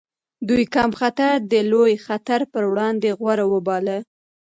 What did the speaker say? دوی کم خطر د لوی خطر پر وړاندې غوره وباله.